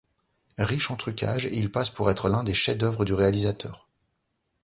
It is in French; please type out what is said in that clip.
Riche en trucages, il passe pour être l'un des chefs d'œuvre du réalisateur.